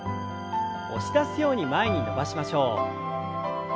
押し出すように前に伸ばしましょう。